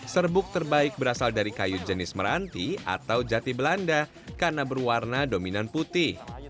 serbuk terbaik berasal dari kayu jenis meranti atau jati belanda karena berwarna dominan putih